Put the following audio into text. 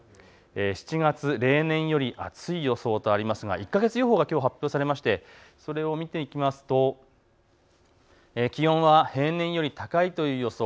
７月、例年より暑い予想とありますが１か月予報がきょう発表されましてそれを見ていきますと気温は平年より高いという予想。